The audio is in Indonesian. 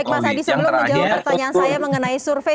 baik mas adi sebelum menjawab pertanyaan saya mengenai survei